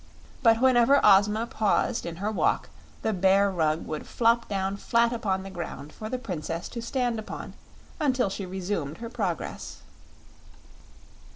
But whenever Ozma paused in her walk the Bear Rug would flop down flat upon the ground for the princess to stand upon until she resumed her progress.